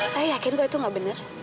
saya yakin kok itu nggak benar